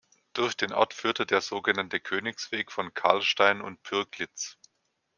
Durch den Ort führte der sogenannte Königsweg von Karlstein und Pürglitz.